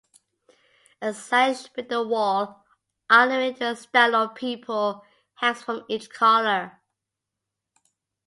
A Salish spindle whorl, honouring the Stahlo people, hangs from each collar.